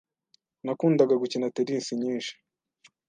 Nakundaga gukina tennis nyinshi.